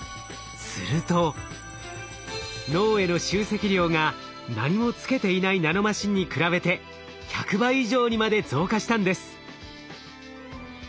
すると脳への集積量が何もつけていないナノマシンに比べて１００倍以上にまで増加したんです。